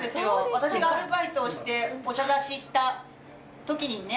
私がアルバイトをしてお茶出ししたときにね